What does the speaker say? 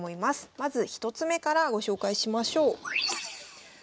まず１つ目からご紹介しましょう。